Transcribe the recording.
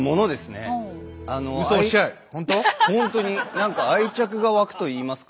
何か愛着がわくといいますか。